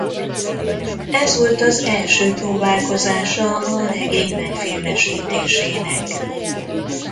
Ez volt az első próbálkozása a regény megfilmesítésének.